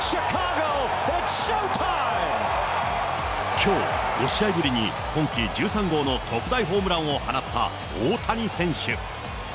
きょう、５試合ぶりに今季１３号の特大ホームランを放った大谷選手。